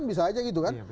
bisa aja gitu kan